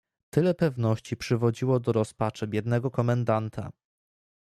"Tyle pewności przywodziło do rozpaczy biednego komendanta."